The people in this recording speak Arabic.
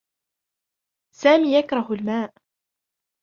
سامي يكره الماء